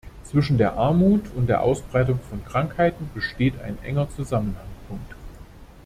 Zwischen der Armut und der Ausbreitung von Krankheiten besteht ein enger Zusammenhang.